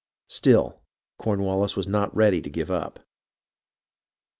Still Cornwallis was not ready to give up.